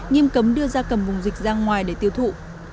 nghiêm cấm đưa gia cầm vùng dịch ra ngoài để tiêu thụ